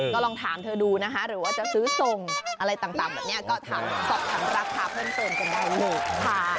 ก็ลองถามเธอดูนะคะหรือว่าจะซื้อส่งอะไรต่างแบบนี้ก็ถามสอบถามราคาเพิ่มเติมกันได้เลยค่ะ